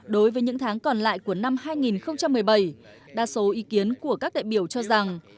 đối với những tháng còn lại của năm hai nghìn một mươi bảy đa số ý kiến của các đại biểu cho rằng